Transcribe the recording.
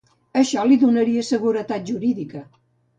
Això li donaria seguretat jurídica.